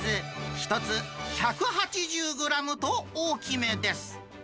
１つ１８０グラムと、大きめです。